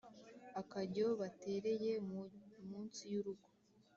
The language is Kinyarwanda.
Akajyo batereye munsi y'urugo.